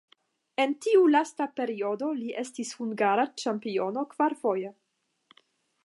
En tiu lasta periodo li estis hungara ĉampiono kvarfoje.